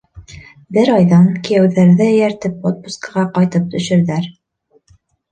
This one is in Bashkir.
Бер айҙан кейәүҙәрҙе эйәртеп отпускыға ҡайтып төшөрҙәр.